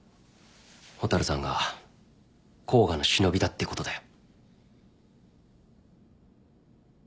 蛍さんが甲賀の忍びだってことだよ。